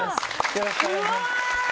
よろしくお願いします。